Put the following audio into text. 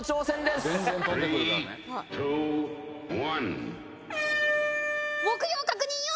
すごいよ！